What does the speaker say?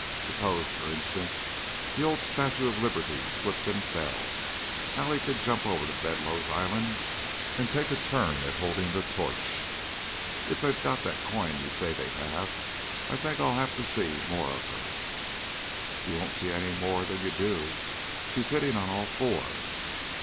Suppose, for instance, the old Statue of Liberty slipped and fell. Allie could jump over to Bedloe's Island and take a turn at holding the torch. Ifi they've got the coin you say they have, I think I'll have to see more of her." "You won't see any more than you do. She's hitting on all four."